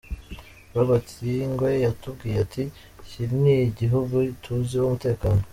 Robert Ngwe yatubwiye ati “Iki ni igihugu tuziho umutekano.